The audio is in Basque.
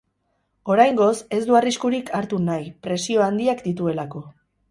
Oraingoz, ez du arriskurik hartu nahi, presio handiak dituelako.